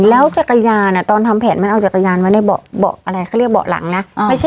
แล้วจักรยานตอนทำแผนมันเอาจักรยานไว้ในเบาะอะไรเขาเรียกเบาะหลังนะ